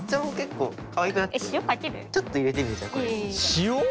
塩！？